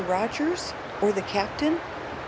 Rogers, or the Captain? .